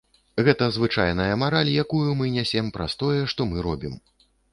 Гэта звычайная мараль, якую мы нясем праз тое, што мы робім.